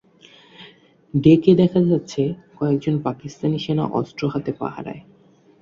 ডেকে দেখা যাচ্ছে, কয়েকজন পাকিস্তানি সেনা অস্ত্র হাতে পাহারায়।